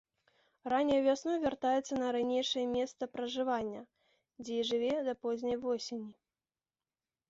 Ранняй вясной вяртаецца на ранейшае месца пражывання, дзе і жыве да позняй восені.